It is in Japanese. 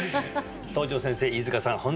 東條先生飯塚さん